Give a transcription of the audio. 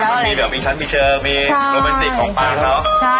บางอย่างมีความโฟนติกของตัวเมีย